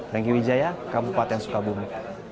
thank you wijaya kabupaten sukabumi